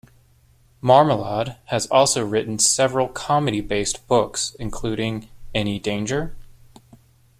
Marmalade has also written several comedy-based books, including Any danger?